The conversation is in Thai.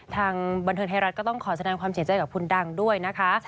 ทางบันเทิงไทยรัฐก็ต้องขอแสดงความเสียใจกับคุณดังด้วยนะคะ